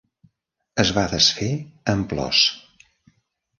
Es va desfer en plors.